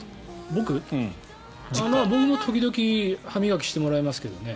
僕も時々歯磨きしてもらいますけどね。